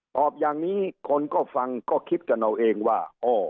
ตอบอย่างนี้คนก็ฟังก็คิดกันเอาเองว่า